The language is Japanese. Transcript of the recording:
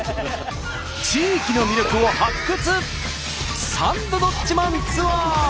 地域の魅力を発掘！